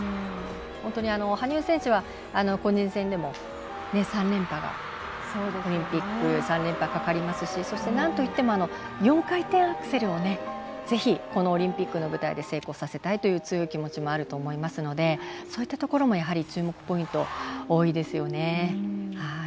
本当に羽生選手は個人戦でもオリンピック３連覇がかかりますしそしてなんといっても４回転アクセルをぜひ、このオリンピックの舞台で成功させたいという強い気持ちもあると思いますのでそういったところもやはり注目ポイント、多いですね。